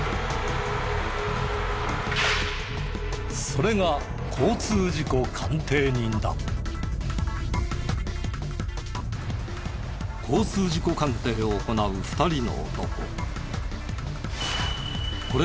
それが交通事故鑑定を行う２人の男。